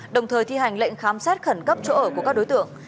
đồng thời thi hành lệnh khám xét khẩn cấp chỗ ở của các đối tượng